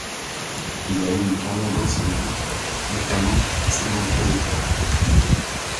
Il a eu une carrière d'enseignant, notamment à Saint-Jean-Pied-de-Port.